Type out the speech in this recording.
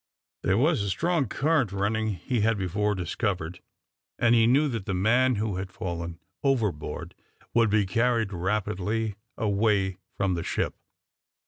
There was a strong current running, he had before discovered, and he knew that the man who had fallen overboard would be carried rapidly away from the ship.